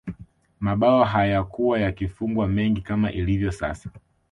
mabao hayakuwa yakifungwa mengi kama ilivyo sasa